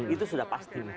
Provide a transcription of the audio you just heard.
itu sudah pasti